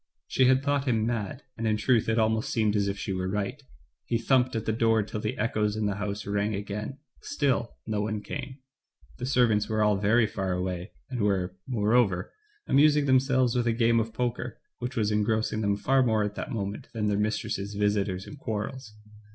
She had thought him mad, and in truth it almost seemed as if she were right. He thumped at the door till the echoes in the house rang, again, still no one came; the servants were all very far away, and were, moreover, amusing themselves with a game of poker, which was engrossing them far more at that moment than their mistress's visitors and quarrels.